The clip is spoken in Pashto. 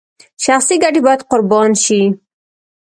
شخصي ګټې باید قربان شي.